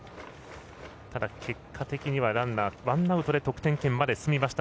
ただ結果的にはランナーワンアウトで得点圏まで進めました。